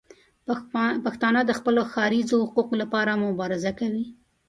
پښتانه د خپلو ښاریزو حقونو لپاره مبارزه کوي.